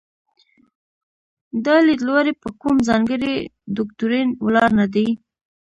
دا لیدلوری په کوم ځانګړي دوکتورین ولاړ نه دی.